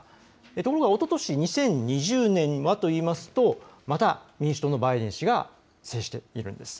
ところが、おととし２０２０年はといいますとまた民主党のバイデン氏が制しているんです。